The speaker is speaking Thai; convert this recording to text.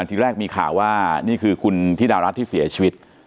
ทีแรกมีข่าวว่านี่คือคุณธิดารัฐที่เสียชีวิต